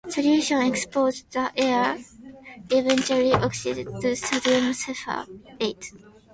Solutions exposed to air are eventually oxidized to sodium sulfate.